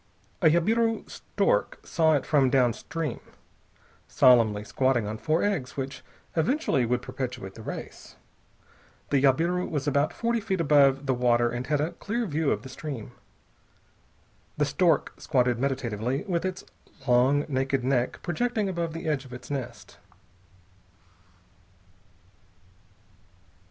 A jabiru stork saw it from downstream, solemnly squatting on four eggs which eventually would perpetuate the race. The jabiru was about forty feet above the water and had a clear view of the stream. The stork squatted meditatively, with its long, naked neck projecting above the edge of its nest.